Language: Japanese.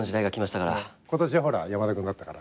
今年ほら山田君だったから。